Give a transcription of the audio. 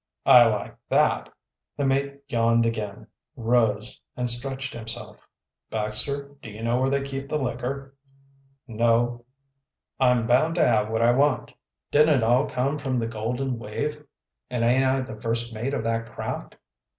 "I like that!" The mate yawned again, rose, and stretched himself. "Baxter, do you know where they keep the liquor?" "No." "I'm bound to have what I want. Didn't it all come from the Golden Wave, and aint I the first mate of that craft?"